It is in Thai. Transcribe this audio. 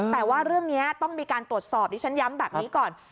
แต่ว่าเรื่องนี้ต้องมีการตรวจสอบดิฉันย้ำแบบนี้ก่อน